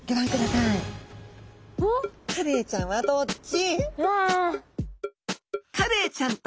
さあカレイちゃんはどっち？